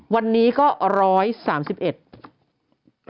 วันนี้ก็๑๓๑